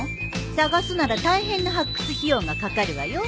捜すなら大変な発掘費用がかかるわよ。